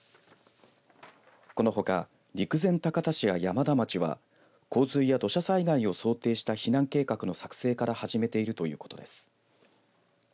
このほか陸前高田市や山田町は洪水や土砂災害を想定した避難計画の作成から始めているということです。